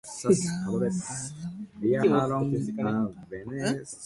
Legend has it that a minor Civil War skirmish occurred on the rim.